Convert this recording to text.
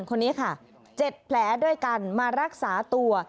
คนนี้ค่ะ๗แผลด้วยกันมารักษาตัว